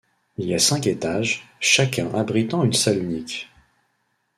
Il a cinq étages, chacun abritant une salle unique.